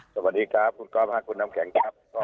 สวัสดีครับคุณก๊อฟค่ะคุณน้ำแข็งครับ